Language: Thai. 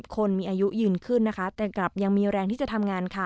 คนมีอายุยืนขึ้นนะคะแต่กลับยังมีแรงที่จะทำงานค่ะ